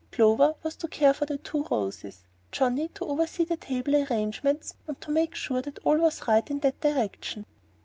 Clover was to care for the two Roses; Johnnie to oversee the table arrangements, and make sure that all was right in that direction.